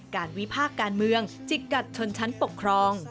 วิพากษ์การเมืองจิกกัดชนชั้นปกครอง